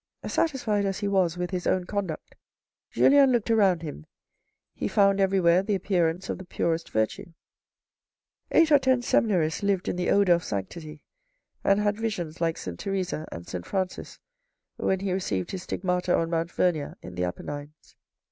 Satisfied as he was with his own conduct, Julien looked around him. He found everywhere the appearance of the purest virtue. Eight or ten seminarists lived in the odour of sanctity, and had visions like Saint Theresa, and Saint Francis, when he received his stigmata on Mount Vernia in the Appenines.